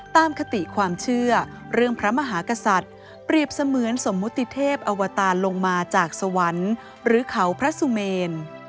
คติความเชื่อเรื่องพระมหากษัตริย์เปรียบเสมือนสมมุติเทพอวตารลงมาจากสวรรค์หรือเขาพระสุเมน